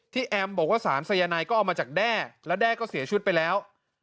แอมบอกว่าสารสายนายก็เอามาจากแด้แล้วแด้ก็เสียชีวิตไปแล้ว